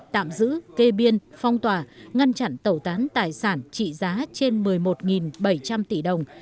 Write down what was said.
tạm giữ kê biên phong tỏa ngăn chặn tẩu tán tài sản trị giá trên một mươi một bảy trăm linh tỷ đồng